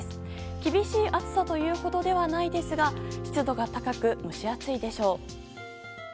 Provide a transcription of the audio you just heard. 厳しい暑さというほどではないですが湿度が高く、蒸し暑いでしょう。